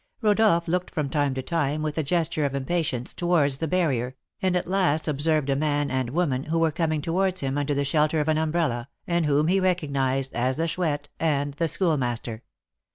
Rodolph looked from time to time, with a gesture of impatience, towards the barrier, and at last observed a man and woman, who were coming towards him under the shelter of an umbrella, and whom he recognised as the Chouette and the Schoolmaster.